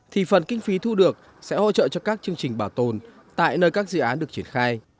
thì phần kinh phí thu được sẽ hỗ trợ cho các chương trình bảo tồn tại nơi các dự án được triển khai